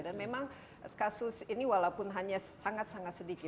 dan memang kasus ini walaupun hanya sangat sangat sedikit